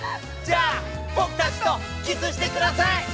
じゃあ僕たちとキスして下さい！